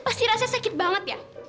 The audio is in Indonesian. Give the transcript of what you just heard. pasti rasa sakit banget ya